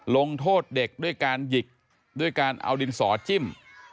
ลงโทษเด็กด้วยการหยิกด้วยการเอาดินสอจิ้ม